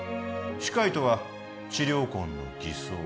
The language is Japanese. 歯科医とは治療痕の偽装